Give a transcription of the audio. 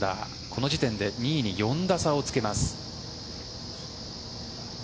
この時点で２位に４打差をつけます。